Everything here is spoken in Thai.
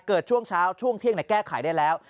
ช่วงเช้าช่วงเที่ยงแก้ไขได้แล้ว